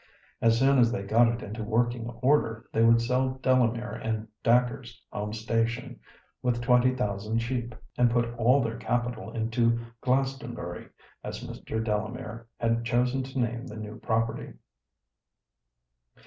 As soon as they got it into working order they would sell Delamere and Dacre's home station, with twenty thousand sheep, and put all their capital into Glastonbury, as Mr. Delamere had chosen to name the new property.